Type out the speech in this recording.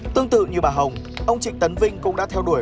tương tự như bà hồng ông trịnh tấn vinh cũng đã theo đuổi